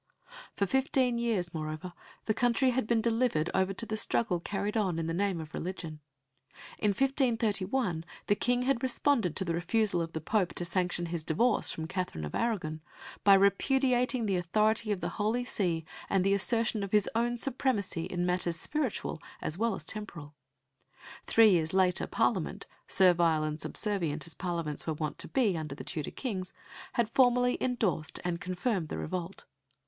For fifteen years, moreover, the country had been delivered over to the struggle carried on in the name of religion. In 1531 the King had responded to the refusal of the Pope to sanction his divorce from Katherine of Aragon by repudiating the authority of the Holy See and the assertion of his own supremacy in matters spiritual as well as temporal. Three years later Parliament, servile and subservient as Parliaments were wont to be under the Tudor Kings, had formally endorsed and confirmed the revolt.